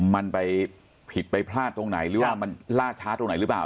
มันไปผิดไปพลาดตรงไหนหรือว่ามันล่าช้าตรงไหนหรือเปล่า